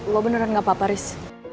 lo beneran gak apa apa riz